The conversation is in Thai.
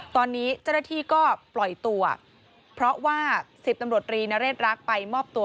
ตอนนี้เจ้าหน้าที่ก็ปล่อยตัวเพราะว่า๑๐ตำรวจรีนเรศรักไปมอบตัว